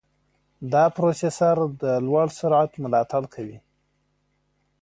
دا پروسېسر د لوړ سرعت ملاتړ کوي.